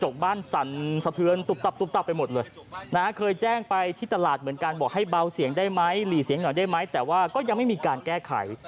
หรือหลีเสียงหน่อยได้ไหมแต่ว่าก็ยังไม่มีการแก้ไข